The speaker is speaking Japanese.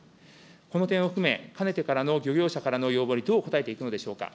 この点を含め、かねてからの漁業者からの要望にどうこたえていくのでしょうか。